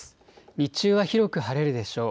日中は広く晴れるでしょう。